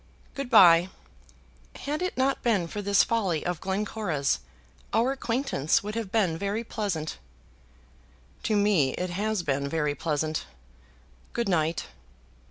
"Good bye. Had it not been for this folly of Glencora's, our acquaintance would have been very pleasant." "To me it has been very pleasant. Good night."